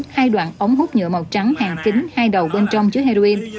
hai đoạn ống hút nhựa màu trắng hàng kính hai đầu bên trong chứa heroin